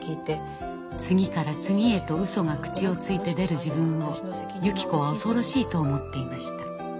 次から次へとうそが口をついて出る自分をゆき子は恐ろしいと思っていました。